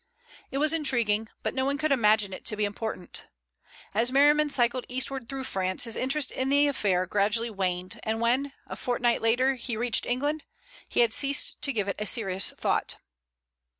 It was intriguing, but no one could imagine it to be important. As Merriman cycled eastward through France his interest in the affair gradually waned, and when, a fortnight later, he reached England, he had ceased to give it a serious thought.